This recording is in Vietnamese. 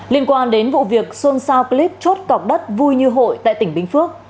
liên quan đến vụ việc xôn xao clip chốt cọc đất vui như hội tại tỉnh bình phước